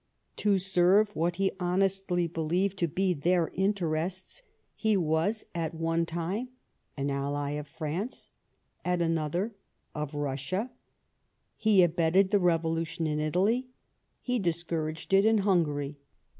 To serve what be honestly believed to be their interests, he was at one time an ally of France, at another of Russia; he abetted the revolution in Italy, he discouraged it in Hungary.